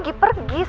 gue nggak tau